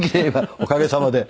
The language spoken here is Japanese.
おかげさまで。